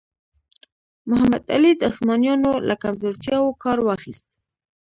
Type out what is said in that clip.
محمد علي د عثمانیانو له کمزورتیاوو کار واخیست.